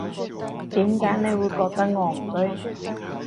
點解你會覺得戇居